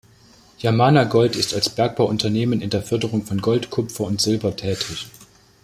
Yamana Gold ist als Bergbauunternehmen in der Förderung von Gold, Kupfer und Silber tätig.